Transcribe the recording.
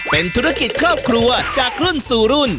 เป็นธุรกิจครอบครัวจากรุ่นสู่รุ่น